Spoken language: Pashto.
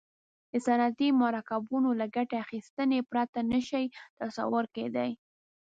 د صنعتي مرکبونو له ګټې اخیستنې پرته نه شي تصور کیدای.